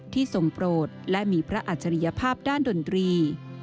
ที่สมโปรตและมีพระอัญชรีภาพด้านดนตรี